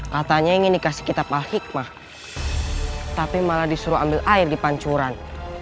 katanya ingin dikasih kitab alhikmah tapi malah disuruh ambil air dipancuran